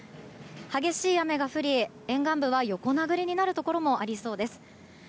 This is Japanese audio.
激しい雨が降り沿岸部は横殴りになるところもありそうです。